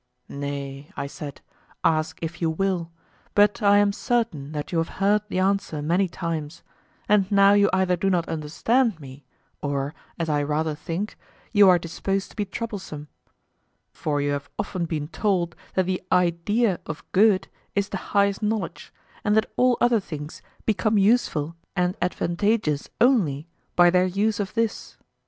Nay, I said, ask if you will; but I am certain that you have heard the answer many times, and now you either do not understand me or, as I rather think, you are disposed to be troublesome; for you have often been told that the idea of good is the highest knowledge, and that all other things become useful and advantageous only by their use of this.